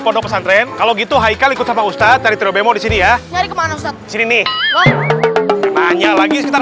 pesantren kalau gitu haikal ikut sama ustadz dari terobemo di sini ya sini nih lagi sekitar